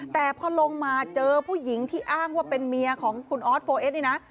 แต่พอลงมาเจอผู้หญิงที่อ้างว่าเป็นเมียของคุณออสโฟเอสนี่นะ